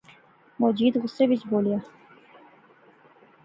مجید غصے وچ بولیا